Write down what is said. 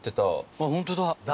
あっホントだ。